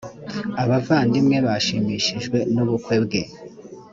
abavandimwe bashimishijwe nubukwe bwe.